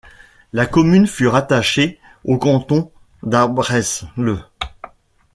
La commune fut rattachée au canton de l’Arbresle.